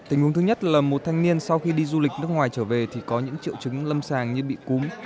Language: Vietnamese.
tình huống thứ nhất là một thanh niên sau khi đi du lịch nước ngoài trở về thì có những triệu chứng lâm sàng như bị cúm